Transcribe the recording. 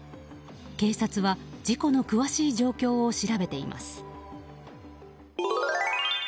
警察は、事故の詳しい状況を調べています。